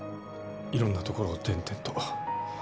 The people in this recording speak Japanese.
色んなところを転々と。